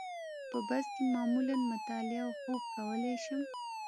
په بس کې معمولاً مطالعه او خوب کولای شم.